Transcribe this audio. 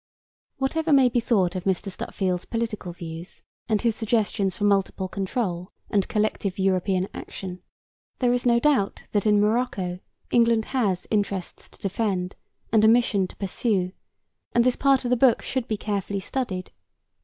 Whatever may be thought of Mr. Stutfield's political views, and his suggestions for 'multiple control' and 'collective European action,' there is no doubt that in Morocco England has interests to defend and a mission to pursue, and this part of the book should be carefully studied.